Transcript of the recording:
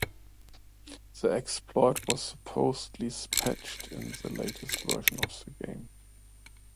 The exploit was supposedly patched in the latest version of the game.